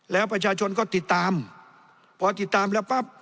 แล้วประชาชนก็ติดตามพอติดตามแล้วปั๊บ